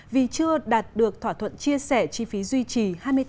vì chưa đạt được thỏa thuận chia sẻ chi phí duy trì